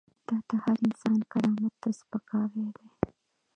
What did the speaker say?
دا د هر انسان کرامت ته سپکاوی دی.